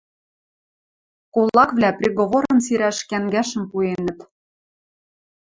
Кулаквлӓ приговорым сирӓш кӓнгӓшӹм пуэнӹт...